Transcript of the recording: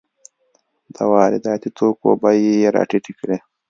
د وارداتي توکو بیې یې راټیټې کړې.